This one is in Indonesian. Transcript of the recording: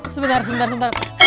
sebentar sebentar sebentar